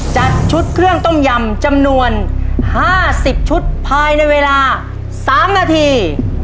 จัดชุดเครื่องต้มยำจำนวน๕๐ชุดภายในเวลา๓นาที